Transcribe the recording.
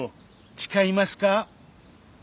誓います。